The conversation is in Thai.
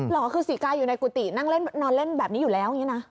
เหรอคือศรีกาอยู่ในกุฏินั่งเล่นนอนเล่นแบบนี้อยู่แล้วอย่างนี้นะ